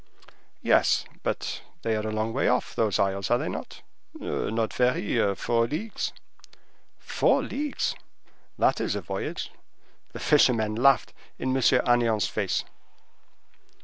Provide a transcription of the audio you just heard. "Yes, but they are a long way off, those isles, are they not?" "Not very; four leagues." "Four leagues! That is a voyage." The fishermen laughed in M. Agnan's face.